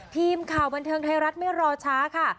ทีมข่าวบันเทิงไทยรัฐไม่รอช้าค่ะ